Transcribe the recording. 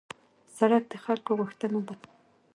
سړک د خلکو غوښتنه ده.